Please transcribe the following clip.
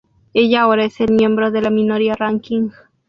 Ella ahora es el miembro de la minoría ranking.